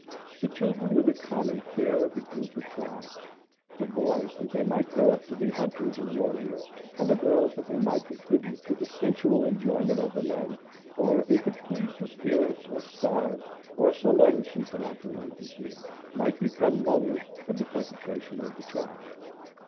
The children were the common care of the group or tribe; the boys that they might grow up to be hunters and warriors, and the girls that they might contribute to the sensual enjoyment of the men, or, if it pleased the spirits, or stars, or some other supernatural agency, might become mothers for the perpetuation of the tribe.